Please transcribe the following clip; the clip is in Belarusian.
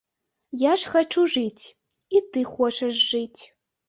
Я ж хачу жыць, і ты хочаш жыць.